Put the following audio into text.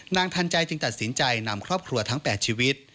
ทันใจจึงตัดสินใจนำครอบครัวทั้ง๘ชีวิต